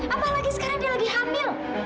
apalagi sekarang dia lagi hamil